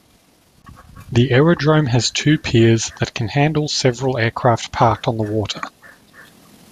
The aerodrome has two piers that can handle several aircraft parked on the water.